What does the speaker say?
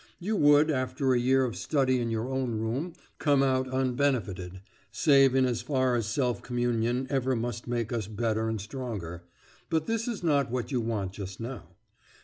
You would, after a year of study in your own room, come out unbenefited, save in as far as self communion ever must make us better and stronger; but this is not what you want just now.